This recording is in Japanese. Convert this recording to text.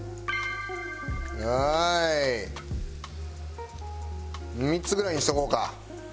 はーい！３つぐらいにしとこうか。